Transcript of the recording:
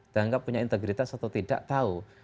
dianggap punya integritas atau tidak tahu